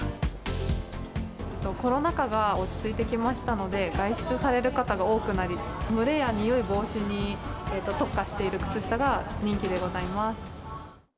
コロナ禍が落ち着いてきましたので、外出される方が多くなり、蒸れや臭い防止に特化している靴下が人気でございます。